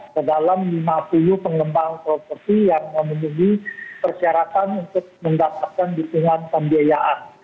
ke dalam lima puluh pengembang properti yang memiliki persyaratan untuk mendapatkan disingkatan biayaan